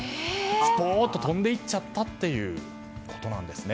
スポンと飛んで行っちゃったということなんですね。